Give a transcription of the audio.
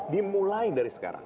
dimulai dari sekarang